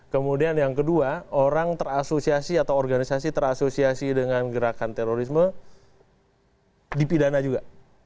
kemudian yang kedua orang terasosiasi atau organisasi terasosiasi dengan gerakan terorisme dipidana juga